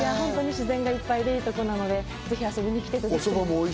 自然がいっぱいでいいところなのでぜひ遊びに来てください。